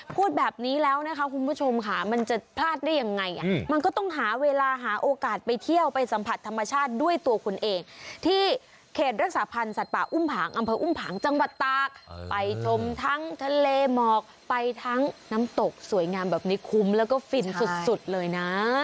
พูดแบบนี้แล้วนะคะคุณผู้ชมค่ะมันจะพลาดได้ยังไงมันก็ต้องหาเวลาหาโอกาสไปเที่ยวไปสัมผัสธรรมชาติด้วยตัวคุณเองที่เขตรักษาพันธ์สัตว์ป่าอุ้มผางอำเภออุ้มผังจังหวัดตากไปชมทั้งทะเลหมอกไปทั้งน้ำตกสวยงามแบบนี้คุ้มแล้วก็ฟินสุดเลยนะ